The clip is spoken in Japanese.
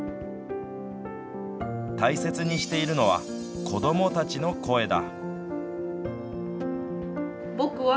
大切にしているのは子どもたちの声だ。